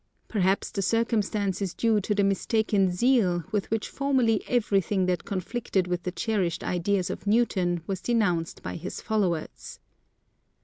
Perhaps the circumstance is due to the mistaken zeal with which formerly everything that conflicted with the cherished ideas of Newton was denounced by his followers.